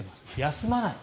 休まない。